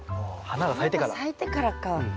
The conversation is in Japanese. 花が咲いてからか。